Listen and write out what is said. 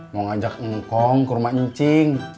mau ngajak ngkong ke rumah encing